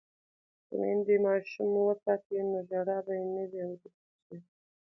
که میندې ماشوم وساتي نو ژړا به نه وي اوریدل شوې.